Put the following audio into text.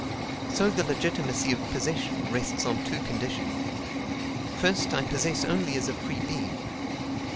So the legitimacy of possession rests on two conditions. First, I possess only as a free being.